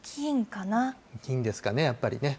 きんですかね、やっぱりね。